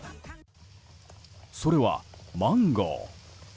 それは、マンゴー。